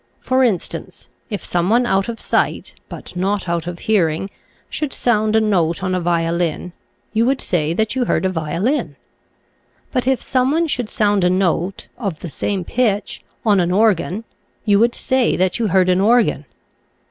For instance, if some one out of sight, but not out of hearing, should sound a note on a violin, you would say that you heard a violin; but if some one should sound a note, of the same pitch, on an organ, you would say that you heard an organ.